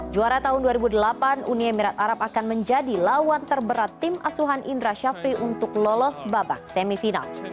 juara tahun dua ribu delapan uni emirat arab akan menjadi lawan terberat tim asuhan indra syafri untuk lolos babak semifinal